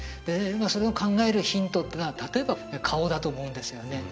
それを考えるヒントっていうのは例えば顔だと思うんですよね